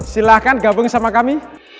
silahkan gabung sama kami